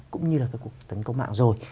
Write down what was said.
cũng như là các cuộc tấn công mạng rồi